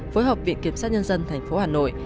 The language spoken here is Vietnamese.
phối hợp viện kiểm sát nhân dân tp hà nội